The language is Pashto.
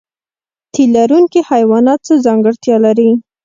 تی لرونکي حیوانات څه ځانګړتیا لري؟